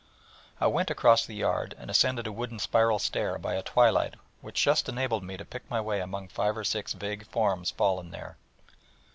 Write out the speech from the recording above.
I went across the yard, and ascended a wooden spiral stair by a twilight which just enabled me to pick my way among five or six vague forms fallen there.